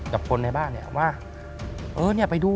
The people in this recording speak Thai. กับคนในบ้านว่า